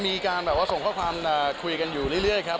มีการแบบว่าส่งข้อความคุยกันอยู่เรื่อยครับ